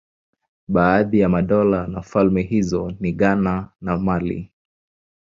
Baadhi ya madola na falme hizo ni Ghana na Mali.